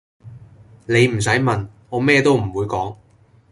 你唔洗問，我咩都唔會講